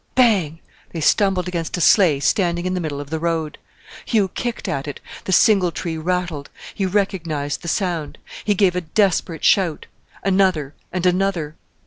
Bang! They stumbled against a sleigh standing in the middle of the road. Hugh kicked at it; the singletree rattled; he recognized the sound. He gave a desperate shout; another and another.